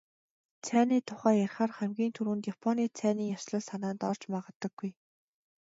Цайны тухай ярихаар хамгийн түрүүнд "Японы цайны ёслол" санаанд орж магадгүй.